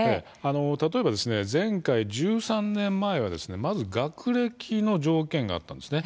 例えば前回、１３年前はまず学歴の条件があったんですね。